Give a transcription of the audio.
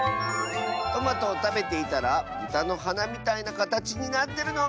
「トマトをたべていたらブタのはなみたいなかたちになってるのをみつけた！」。